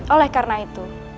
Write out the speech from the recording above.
oleh karena itu